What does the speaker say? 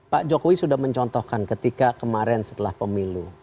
pak jokowi sudah mencontohkan ketika kemarin setelah pemilu